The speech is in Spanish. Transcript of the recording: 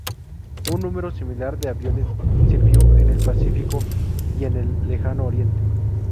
Un número similar de aviones sirvió en el Pacífico y en el Lejano Oriente.